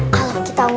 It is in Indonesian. kamu bakal maling